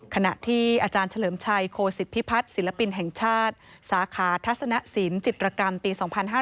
ขณะที่อาจารย์เฉลิมชัยโคศิษฐพิพัฒน์ศิลปินแห่งชาติสาขาทัศนสินจิตรกรรมปี๒๕๕๙